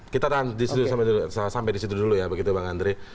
kita sampai disitu dulu ya begitu bang andri